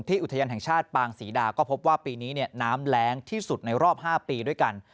อุทยานแห่งชาติปางศรีดาก็พบว่าปีนี้น้ำแรงที่สุดในรอบ๕ปีด้วยกัน